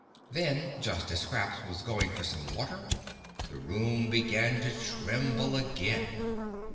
Then, just as Scraps was going for some water, the room began to tremble again.